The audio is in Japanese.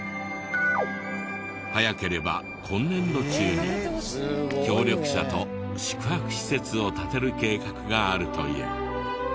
早ければ今年度中に協力者と宿泊施設を建てる計画があるという。